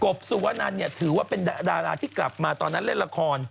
บสุวนันเนี่ยถือว่าเป็นดาราที่กลับมาตอนนั้นเล่นละคร